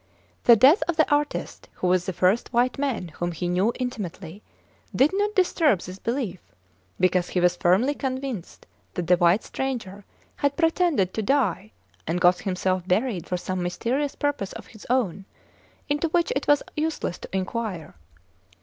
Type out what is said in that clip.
The death of the artist, who was the first white man whom he knew intimately, did not disturb this belief, because he was firmly convinced that the white stranger had pretended to die and got himself buried for some mysterious purpose of his own, into which it was useless to inquire.